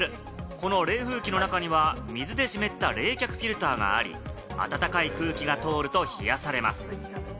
この冷風機の中には水で湿った冷却フィルターがあり、暖かい空気が通ると冷やされます。